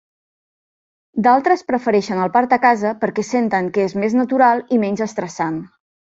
D'altres prefereixen el part a casa perquè senten que és més natural i menys estressant.